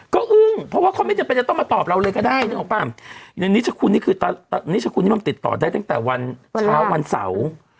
ก็อึ้งเพราะว่าเขาไม่จำเป็นจะต้องมาตอบเราเลยก็ได้นิจคุณที่มันติดต่อได้ตั้งแต่วันเช้าวันเสาร์